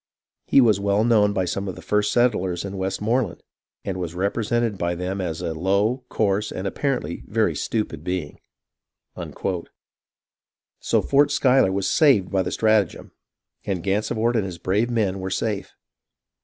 He was well known by some of the first settlers in Westmoreland, and was repre sented by them as a low, coarse, and apparently a very stupid being." So Fort Schuyler was saved by the stratagem, and Gansevoort and his brave men were safe.